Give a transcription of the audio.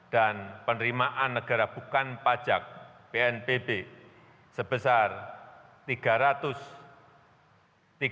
dan penerimaan negara bukan pajak pnpb sebesar rp tiga ratus tiga puluh tiga dua triliun